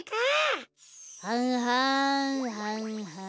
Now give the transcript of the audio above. はんはんはんはん。